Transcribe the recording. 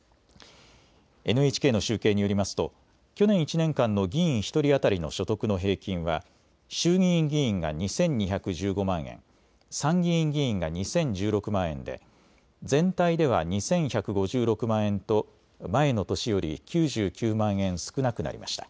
ＮＨＫの集計によりますと去年１年間の議員１人当たりの所得の平均は衆議院議員が２２１５万円、参議院議員が２０１６万円で全体では２１５６万円と前の年より９９万円少なくなりました。